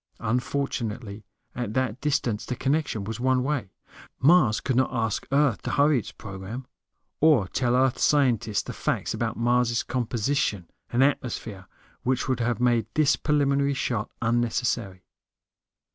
Unfortunately, at that distance, the connection was one way. Mars could not ask Earth to hurry its program. Or tell Earth scientists the facts about Mars' composition and atmosphere which would have made this preliminary shot unnecessary.